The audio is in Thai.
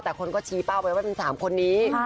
แต่คนก็ชี้เป้าไปว่าเป็น๓คนนี้